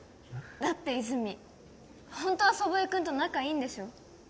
だって泉ホントは祖父江君と仲いいんでしょ？